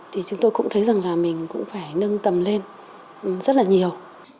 thì chúng tôi cũng thấy rằng là mình cũng phải nâng tầm lên rất là nhiều